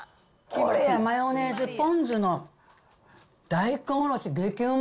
これや、マヨネーズポン酢の大根おろし、激うま。